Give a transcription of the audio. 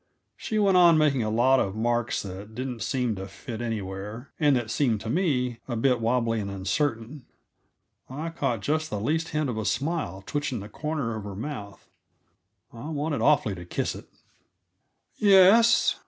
She went on making a lot of marks that didn't seem to fit anywhere, and that seemed to me a bit wobbly and uncertain. I caught just the least hint of a smile twitching the corner of her mouth I wanted awfully to kiss it! "Yes?